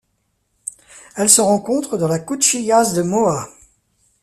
Elle se rencontre dans la Cuchillas de Moa.